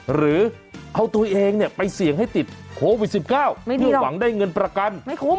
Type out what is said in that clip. หรือเอาตัวเองไปเสี่ยงให้ติดโควิด๑๙เพื่อหวังได้เงินประกัน